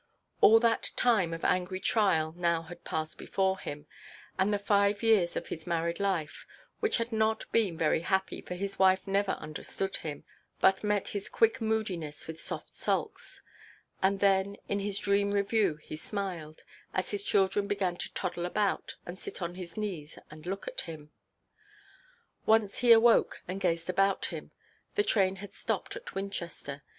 All that time of angry trial now had passed before him, and the five years of his married life (which had not been very happy, for his wife never understood him, but met his quick moodiness with soft sulks); and then in his dream–review he smiled, as his children began to toddle about, and sit on his knees, and look at him. Once he awoke, and gazed about him. The train had stopped at Winchester.